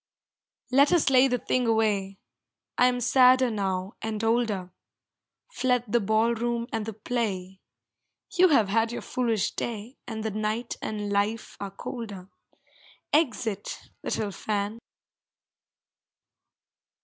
Let us lay the thing away I am sadder now and older; Fled the ball room and the play You have had your foolish day, And the night and life are colder. Exit little fan!